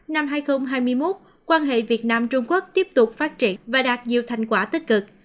năm hai nghìn hai mươi một quan hệ việt nam trung quốc tiếp tục phát triển và đạt nhiều thành quả tích cực